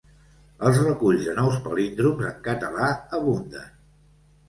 Els reculls de nous palíndroms en català abunden.